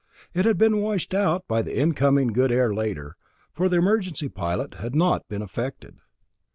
It had been washed out by the incoming good air later, for the emergency pilot had not been affected.